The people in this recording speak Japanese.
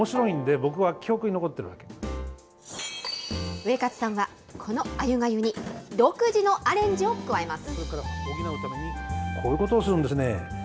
ウエカツさんは、このあゆがゆに、独自のアレンジを加えます。